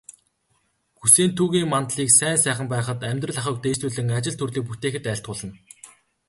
Гүсэнтүгийн мандлыг сайн сайхан байхад, амьдрал ахуйг дээшлүүлэн, ажил төрлийг бүтээхэд айлтгуулна.